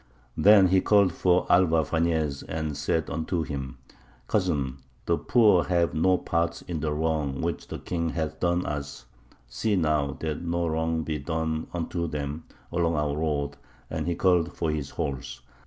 Then he called for Alvar Fañez and said unto him, Cousin, the poor have no part in the wrong which the king hath done us; see now that no wrong be done unto them along our road; and he called for his horse.